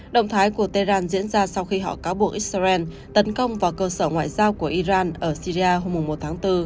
động thái của tehran diễn ra sau khi họ cáo buộc israel tấn công vào cơ sở ngoại giao của iran ở syria hôm một tháng bốn